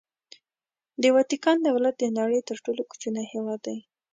د واتیکان دولت د نړۍ تر ټولو کوچنی هېواد دی.